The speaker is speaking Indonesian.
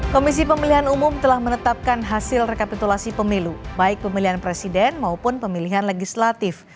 komisi pemilihan umum telah menetapkan hasil rekapitulasi pemilu baik pemilihan presiden maupun pemilihan legislatif